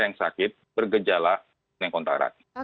yang sakit bergejala dan kontra